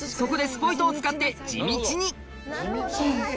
そこでスポイトを使って、地道に。